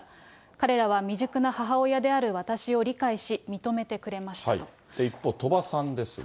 彼らは未熟な母親である私を理解し、一方、鳥羽さんですが。